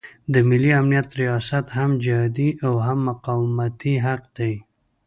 د ملي امنیت ریاست هم جهادي او مقاومتي حق دی.